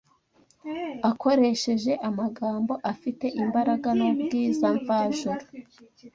akoresheje amagambo afite imbaraga n’ubwiza mvajuru